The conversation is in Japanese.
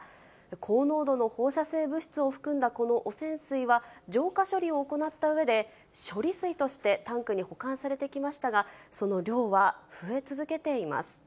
高濃度の放射性物質を含んだこの汚染水は、浄化処理を行ったうえで、処理水として、タンクに保管されてきましたが、その量は増え続けています。